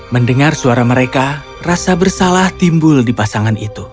mendengar suara mereka rasa bersalah timbul di pasangan itu